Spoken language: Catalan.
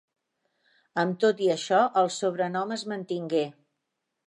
Amb tot i això, el sobrenom es mantingué.